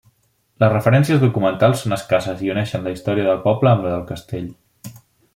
Les referències documentals són escasses i uneixen la història del poble amb la del castell.